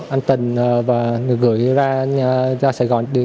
anh tình và gửi ra sài gòn